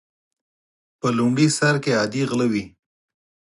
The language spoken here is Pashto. په لومړي سر کې عادي غله وي.